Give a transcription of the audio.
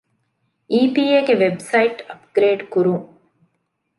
އީ.ޕީ.އޭގެ ވެބްސައިޓް އަޕްގްރޭޑް ކުރުން